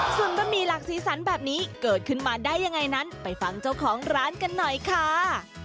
ส่วนบะหมี่หลากสีสันแบบนี้เกิดขึ้นมาได้ยังไงนั้นไปฟังเจ้าของร้านกันหน่อยค่ะ